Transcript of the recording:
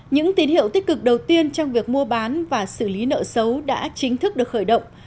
những tín hiệu tích cực đầu tiên trong việc mua bán và xử lý nợ xấu đã chính thức được khởi động